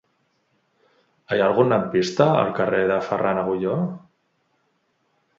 Hi ha algun lampista al carrer de Ferran Agulló?